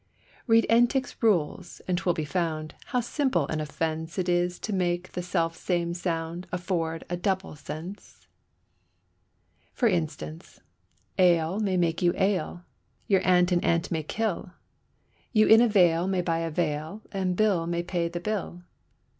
Read Entick's rules, and 'twill be found, how simple an offence It is to make the self same sound afford a double sense. For instance, ale may make you ail, your aunt an ant may kill, You in a vale may buy a veil and Bill may pay the bill.